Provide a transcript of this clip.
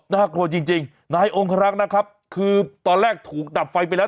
น่ากลัวจริงนายองครักษ์นะครับคือตอนแรกถูกดับไฟไปแล้ว